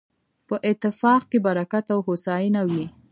په اتفاق کې برکت او هوساينه وي